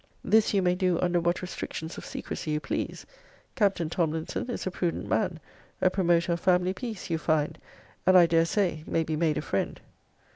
This you may do under what restrictions of secrecy you please. Captain Tomlinson is a prudent man; a promoter of family peace, you find; and, I dare say, may be made a friend.